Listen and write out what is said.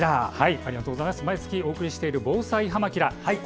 毎月お送りしている「防災はま☆キラ！」。